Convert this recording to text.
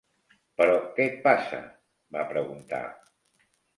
"Però què et passa?", va preguntar.